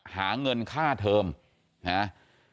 หาเงินค่าเทิมนะฮะ